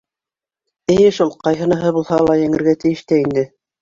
Эйе шул, ҡайһыныһы булһа ла еңергә тейеш тә инде.